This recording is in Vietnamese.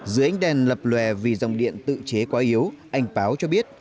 dưới ánh đèn lập lòe vì dòng điện tự chế quá yếu anh báo cho biết